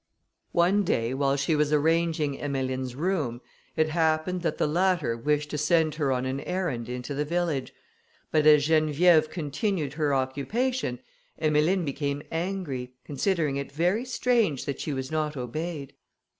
One day, while she was arranging Emmeline's room, it happened that the latter wished to send her on an errand into the village; but as Geneviève continued her occupation, Emmeline became angry, considering it very strange that she was not obeyed.